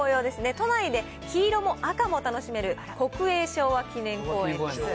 都内で黄色も赤も楽しめる、国営昭和記念公園です。